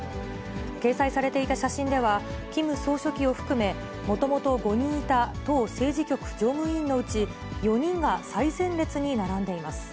掲載されていた写真では、キム総書記を含め、もともと５人いた党政治局常務委員のうち、４人が最前列に並んでいます。